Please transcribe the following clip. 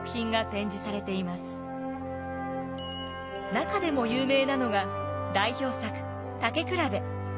中でも有名なのが代表作「たけくらべ」。